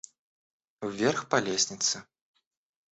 Вверх по лестнице.